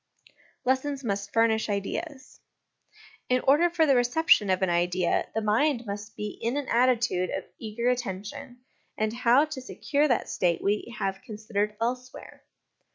Lessons must furnish Ideas. In order for the reception of an idea, the mind must be in an attitude of eager attention, and how to secure that state we have considered elsewhere.